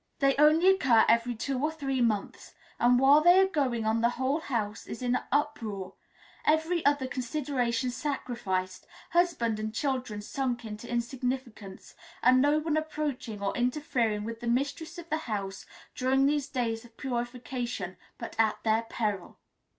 They only occur every two or three months, and while they are going on the whole house is in an uproar, every other consideration sacrificed, husband and children sunk into insignificance, and no one approaching, or interfering with the mistress of the house during these days of purification, but at their peril."